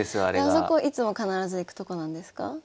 あそこいつも必ず行くとこなんですか？